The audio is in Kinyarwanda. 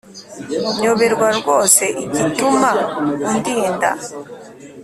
nyoberwa rwose igituma undinda